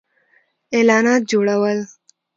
-اعلانات جوړو ل